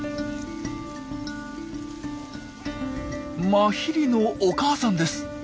マヒリのお母さんです。